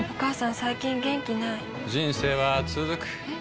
最近元気ない人生はつづくえ？